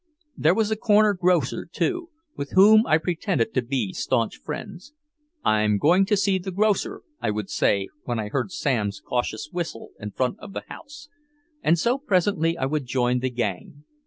There was the corner grocer, too, with whom I pretended to be staunch friends. "I'm going to see the grocer," I would say, when I heard Sam's cautious whistle in front of the house and so presently I would join the gang.